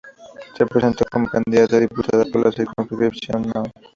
Se presentó como candidata a diputada por la Circunscripción No.